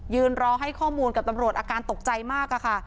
รอให้ข้อมูลกับตำรวจอาการตกใจมากค่ะ